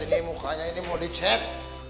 dari mukanya ini mau dicet